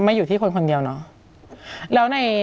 อยู่ที่คนคนเดียวเนาะ